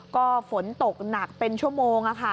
ก็ฝนตกหนักเป็นชั่วโมง